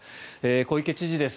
小池知事です。